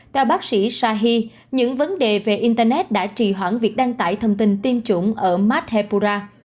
theo bác sĩ shahi những vấn đề về internet đã trì hoãn việc đăng tải thông tin tiêm chủng ở madhepura